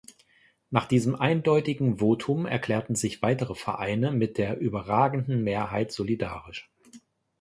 Nach diesem eindeutigen Votum erklärten sich weitere Vereine mit der überragenden Mehrheit solidarisch.